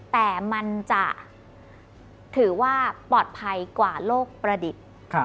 แต่มันจะถือว่าปลอดภัยกว่าโลกประดิษฐ์